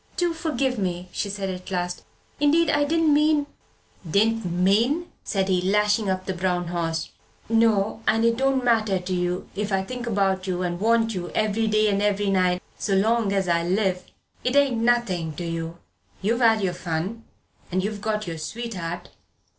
"Do forgive me!" she said at last. "Indeed, I didn't mean " "Didn't mean," said he, lashing up the brown horse; "no and it don't matter to you if I think about you and want you every day and every night so long as I live. It ain't nothing to you. You've had your fun. And you've got your sweetheart.